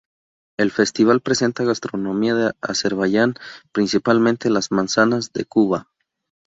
El festival presenta gastronomía de Azerbaiyán principalmente las manzanas de Quba.